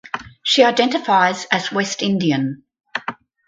She identifies as West Indian.